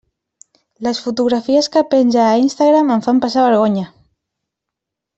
Les fotografies que penja a Instagram em fan passar vergonya.